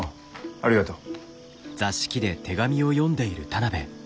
ありがとう。